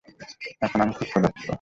এখন আমি খুব ক্ষুধার্ত।